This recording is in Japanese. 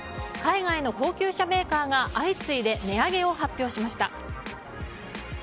海外の高級車メーカーが相次いで値上げを発表しました。